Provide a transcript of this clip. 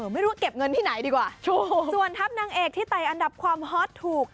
ไม่รู้ว่าเก็บเงินที่ไหนดีกว่าถูกส่วนทัพนางเอกที่ไตอันดับความฮอตถูก